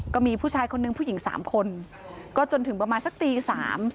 ก็มีผู้ชายคนนึงผู้หญิงสามคนก็จนถึงประมาณสักตี๓